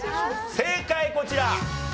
正解こちら。